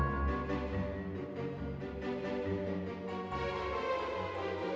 nggak ada uang nggak ada uang